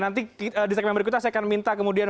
nanti di sekitar member kita saya akan minta kemudian